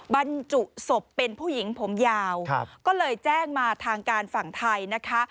บรรจุศพเป็นผู้หญิงผมยาวก็เลยแจ้งมาทางการฝั่งไทยนะคะ